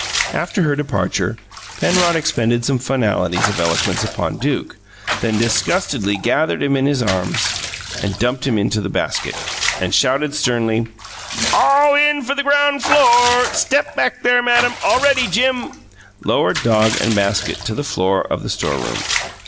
After her departure, Penrod expended some finalities of eloquence upon Duke, then disgustedly gathered him up in his arms, dumped him into the basket and, shouting sternly, "All in for the ground floor step back there, madam all ready, Jim!" lowered dog and basket to the floor of the storeroom.